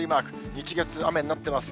日、月、雨になってます。